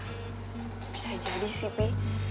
wah bisa jadi sih pi